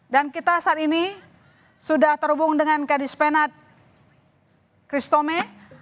kita saat ini sudah terhubung dengan kadis penat kristome